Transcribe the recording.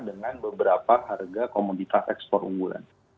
dengan beberapa harga komoditas ekspor unggulan